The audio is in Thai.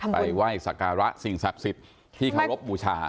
ไปไหว้สักการะสิ่งศักดิ์สิทธิ์ที่เคารพบูชา